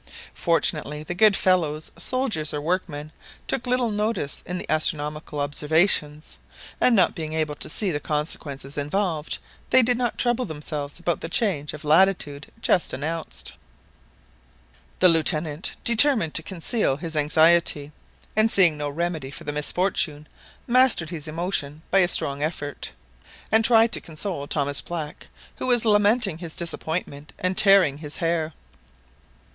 Fortunately the good fellows, soldiers or workmen, took little notice of the astronomical observations, and not being able to see the consequences involved, they did not trouble themselves about the change of latitude just announced. The Lieutenant determined to conceal his anxiety, and seeing no remedy for the misfortune, mastered his emotion by a strong effort, and tried to console Thomas Black, who was lamenting his disappointment and tearing his hair.